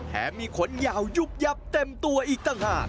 มีขนยาวยุบยับเต็มตัวอีกต่างหาก